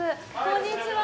こんにちは。